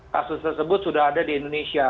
kasus tersebut sudah ada di indonesia